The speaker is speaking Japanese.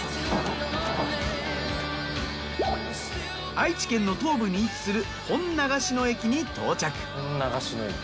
愛知県の東部に位置する本長篠駅に到着。